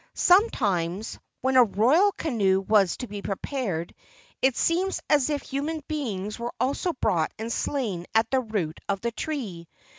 Sometimes, when a royal canoe was to be prepared, it seems as if human beings were also brought and slain at the root of the tree.